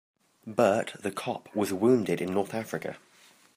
Bert the cop was wounded in North Africa.